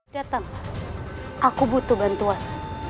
datang aku butuh bantuan